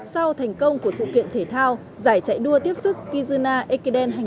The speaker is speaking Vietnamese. sau thành công của sự kiện thể thao giải chạy đua tiếp sức kizuna ekiden hai nghìn một mươi